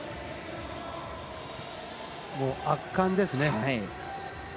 もう圧巻ですね。